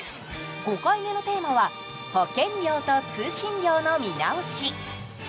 ５回目のテーマは保険料と通信料の見直し。